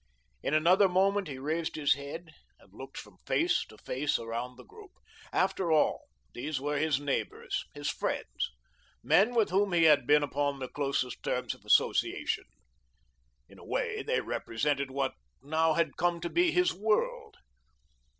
In another moment he raised his head and looked from face to face around the group. After all, these were his neighbours, his friends, men with whom he had been upon the closest terms of association. In a way they represented what now had come to be his world.